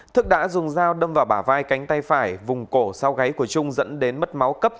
thức đã dùng dao đâm vào bả vai cánh tay phải vùng cổ sau gáy của trung dẫn đến mất máu cấp